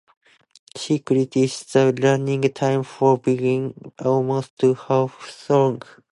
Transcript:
He criticized the running time for being almost two hours long.